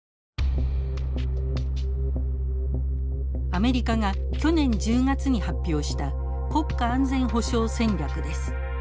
アメリカが去年１０月に発表した国家安全保障戦略です。